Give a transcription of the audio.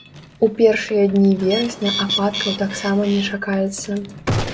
У першыя дні верасня ападкаў таксама не чакаецца.